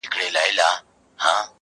ورښودلي خپل استاد وه څو شعرونه.!